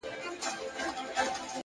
د حقیقت منل د عقل ځواک دی.!